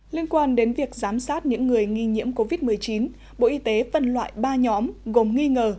liên quan đến việc giám sát những người nghi nhiễm covid một mươi chín bộ y tế phân loại ba nhóm gồm nghi ngờ